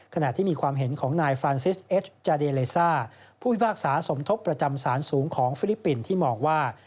ขณะที่มีความเห็นของนายฟรานซิสเอสจาเดเลซ่าผู้พิพากษาสมทบประจำสารสูงของฟิลิปปินส์ที่มองว่า